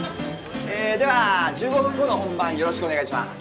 では１５分後の本番よろしくお願いします。